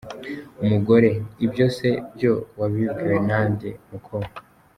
Umugore: Ibyo se byo wabibwiwe nande muko?.